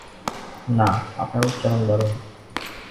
না, আপনার উচ্চারণ দারুণ।